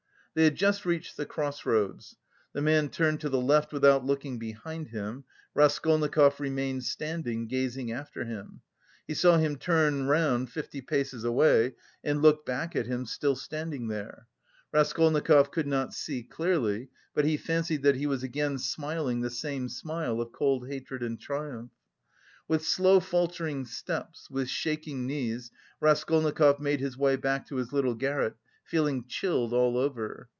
They had just reached the cross roads. The man turned to the left without looking behind him. Raskolnikov remained standing, gazing after him. He saw him turn round fifty paces away and look back at him still standing there. Raskolnikov could not see clearly, but he fancied that he was again smiling the same smile of cold hatred and triumph. With slow faltering steps, with shaking knees, Raskolnikov made his way back to his little garret, feeling chilled all over.